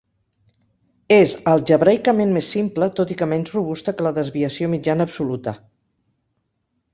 És algebraicament més simple tot i que menys robusta que la desviació mitjana absoluta.